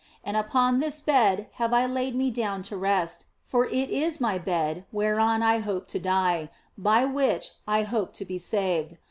And upon this bed have I laid me down to rest, for it is my bed whereon I hope to die, by which I hope to be saved.